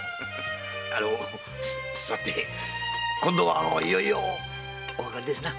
今度はいよいよおわかりですな？